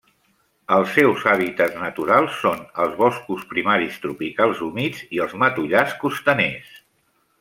Els seus hàbitats naturals són els boscos primaris tropicals humits i els matollars costaners.